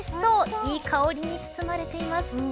いい香りに包まれています。